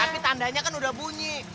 tapi tandanya kan udah bunyi